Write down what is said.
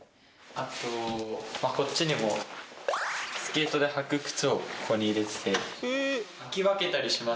あとこっちにもスケートで履く靴をここに入れてて。